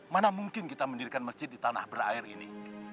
mana mungkin kita mendirikan masjid di tanah berair ini